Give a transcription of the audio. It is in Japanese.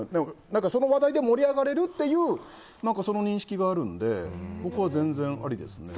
その話題で盛り上がれるっていうその認識があるので僕は全然ありですね。